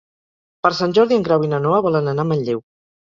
Per Sant Jordi en Grau i na Noa volen anar a Manlleu.